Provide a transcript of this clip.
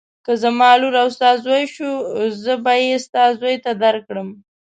که زما لور او ستا زوی شو زه به یې ستا زوی ته درکړم.